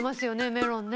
メロンね。